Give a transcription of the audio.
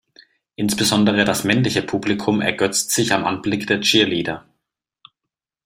Insbesondere das männliche Publikum ergötzt sich am Anblick der Cheerleader.